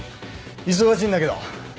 忙しいんだけど。